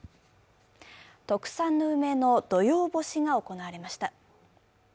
特産の梅の土用干しが行われました。